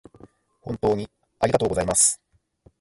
本当にありがとうございます